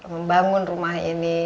membangun rumah ini